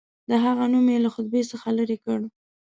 د هغه نوم یې له خطبې څخه لیري کړ.